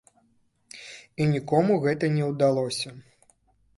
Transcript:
І нікому гэта не ўдалося.